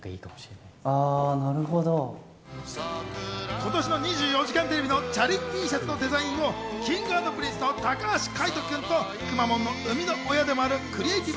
今年の『２４時間テレビ』のチャリＴシャツのデザインをＫｉｎｇ＆Ｐｒｉｎｃｅの高橋海人君とくまモンの生みの親でもあるクリエイティブ